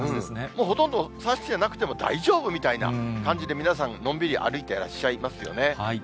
もうほとんど差してなくても大丈夫みたいな感じで皆さん、のんびり歩いてらっしゃいますよね。